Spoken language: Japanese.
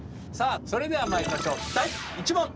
それではまいりましょう第１問。